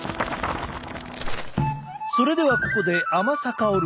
それではここで甘さ香る